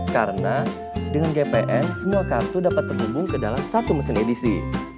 karena dengan gpn semua kartu dapat terhubung ke dalam satu mesin edisi